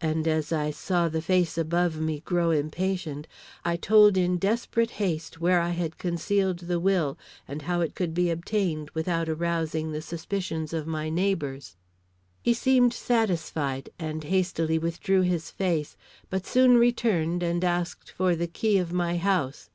And as I saw the face above me grow impatient, I told in desperate haste where I had concealed the will and how it could be obtained without arousing the suspicions of my neighbors. He seemed satisfied and hastily withdrew his face; but soon returned and asked for the key of my house.